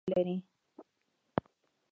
هر د زخمتونو پیل؛ زرین پای لري.